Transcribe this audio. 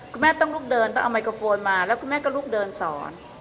คุณแม่ต้องลุกเดินต้องเอาไมโครโฟนมาแล้วคุณแม่ก็ลุกเดินสอน